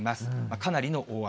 かなりの大雨。